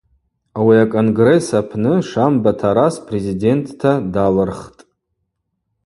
Ауи аконгресс апны Шамба Тарас президентта далырхтӏ.